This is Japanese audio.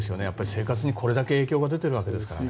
生活にこれだけ影響が出ているわけですから。